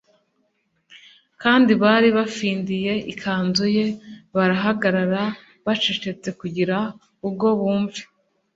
kandi bari bafindiye ikanzu ye, barahagarara, bacecetse, kugira ugo bumve.